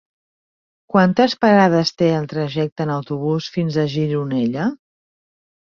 Quantes parades té el trajecte en autobús fins a Gironella?